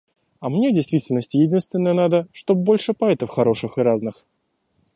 А мне в действительности единственное надо — чтоб больше поэтов хороших и разных.